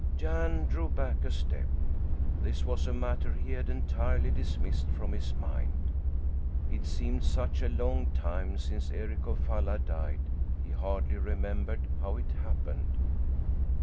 Jan drew back a step. This was a matter he had entirely dismissed from his mind. It seemed such a long time since Eric of Falla died he hardly remembered how it happened.